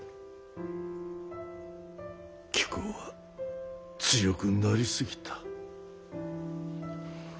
貴公は強くなり過ぎた。